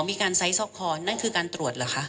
จะมีการอ้างอีงถึงหลักฐานแพทย์แล้วก็มีการอ้างอีงถึงหลักฐานแพทย์